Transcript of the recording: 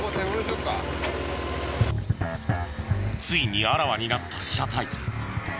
ついにあらわになった車体。